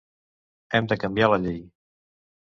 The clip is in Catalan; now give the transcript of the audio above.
Hem de canviar la llei.